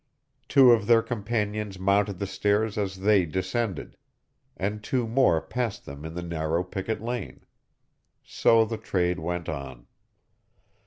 Two of their companions mounted the stairs as they descended; and two more passed them in the narrow picket lane. So the trade went on.